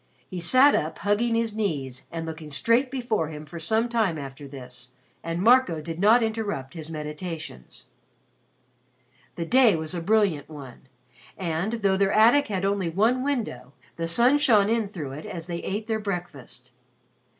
He sat up hugging his knees and looking straight before him for some time after this, and Marco did not interrupt his meditations. The day was a brilliant one, and, though their attic had only one window, the sun shone in through it as they ate their breakfast.